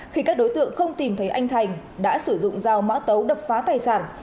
khi các đối tượng không tìm thấy anh thành đã sử dụng dao mã tấu đập phá tài sản